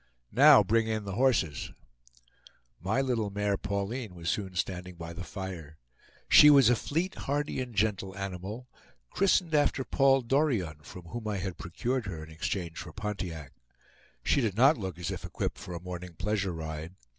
"Now, bring in the horses." My little mare Pauline was soon standing by the fire. She was a fleet, hardy, and gentle animal, christened after Paul Dorion, from whom I had procured her in exchange for Pontiac. She did not look as if equipped for a morning pleasure ride.